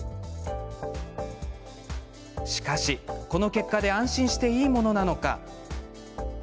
しかし、この結果で安心していいものなのか。